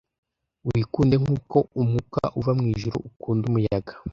wikunde nkuko umwuka uva mwijuru ukunda umuyaga